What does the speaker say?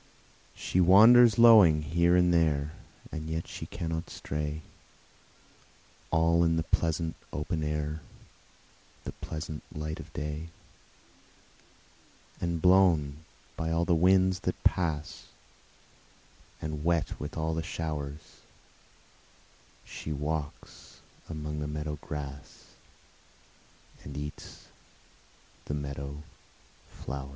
She wanders lowing here and there, And yet she cannot stray, All in the pleasant open air, The pleasant light of day; And blown by all the winds that pass And wet with all the showers, She walks among the meadow grass And eats the meadow flowers.